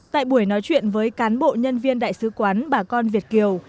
tại buổi nói chuyện với cán bộ nhân viên đại sứ quán bà con việt kiều